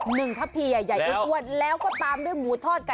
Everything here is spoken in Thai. หนึ่งทะพีใหญ่กว่าตัวแล้วก็ตามด้วยหมูทอดไก่ตัว